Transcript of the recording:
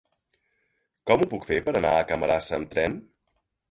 Com ho puc fer per anar a Camarasa amb tren?